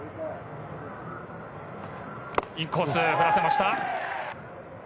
インコース、振らせました。